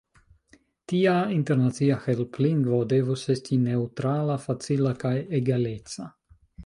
Tia internacia helplingvo devus esti neŭtrala, facila kaj egaleca.